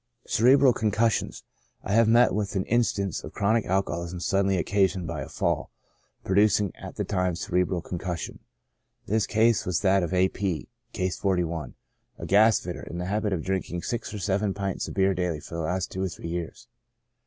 Cerebral Concussion. — I have 'met with an instance of chronic alcoholism suddenly occasioned by a fall, producing at the time cerebral concussion. This case was that of A. P —, (Case 41,) a gas fitter, in the habit of drinking six or seven pints of beer daily for the last two or three years.